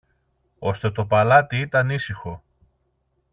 Ώστε το παλάτι ήταν ήσυχο.